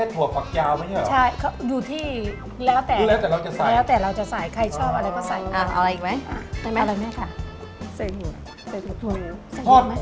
ด้วยแค่ถั่วฝักยาวมั้ยใช่หรอ